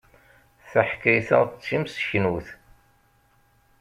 Taḥkayt-a d timseknut.